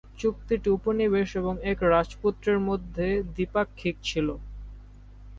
চুক্তিটি উপনিবেশ এবং এক রাজপুত্রের মধ্যে দ্বিপাক্ষিক ছিলো।